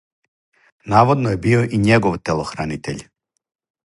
Наводно је био и његов телохранитељ.